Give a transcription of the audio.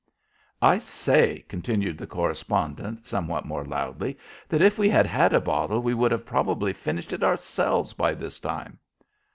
"I say," continued the correspondent, somewhat more loudly, "that if we had had a bottle we would have probably finished it ourselves by this time."